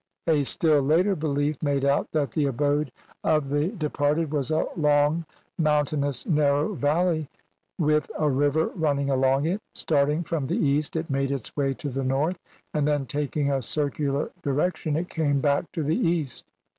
A still later belief made out that the abode of the THE ELYS IAN FIELDS OR HEAVEN. CXIX departed was a long, mountainous, narrow valley with a river running along it; starting from the east it made its way to the north, and then taking a circular direc tion it came back to the east.